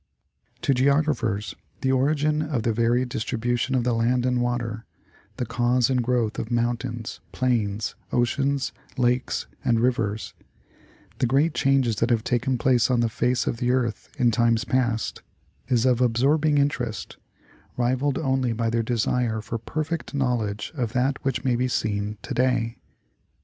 To Geographers the origin of the varied distribution of the land and water, the cause and growth of mountains, plains, oceans, lakes and rivers, the great changes that have taken place on the face of the earth in times past, is of absorbing interest, rivaled only by their desire for perfect knowledge of that which may be seen to day.